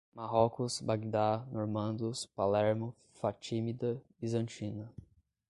Marrocos, Bagdá, normandos, Palermo, Fatímida, bizantina